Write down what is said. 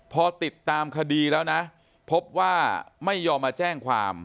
พอติดตามคดีแล้วนะพบว่าไม่ยอมมาแจ้งความ